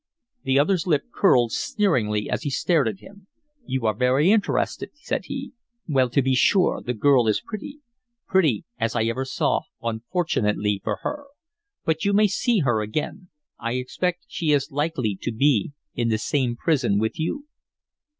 The other's lip curled sneeringly as he stared at him. "You are very much interested," said he. "Well, to be sure, the girl is pretty pretty as I ever saw, unfortunately for her. But you may see her again. I expect she is likely to be in the same prison with you."